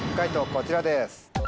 こちらです。